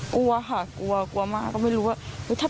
กลัวค่ะกลัวกลัวมากก็ไม่รู้ว่า